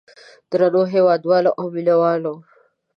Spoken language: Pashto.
درنو هېوادوالو او مینه والو.